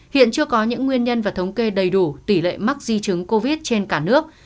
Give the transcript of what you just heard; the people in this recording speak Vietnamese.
hiện chưa có những nguyên nhân và thống kê đầy đủ tỷ lệ mắc di chứng covid trên cả nước